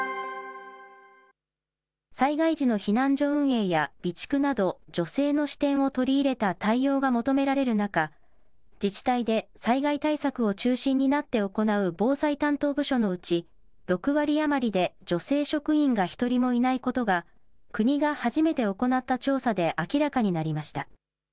災害時の避難所運営や備蓄など、女性の視点を取り入れた対応が求められる中、自治体で災害対策を中心になって行う防災担当部署のうち、６割余りで女性職員が一人もいないことが、国が初めて行った調査で明らかになりました。